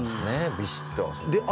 ビシッと。